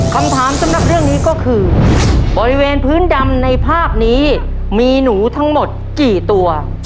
คำถามสำหรับเรื่องนี้ก็คือบริเวณพื้นดำในภาพนี้มีหนูทั้งหมดกี่ตัว